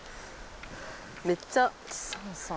めっちゃ。